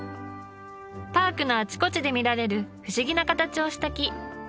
パークのあちこちで見られる不思議な形をした木。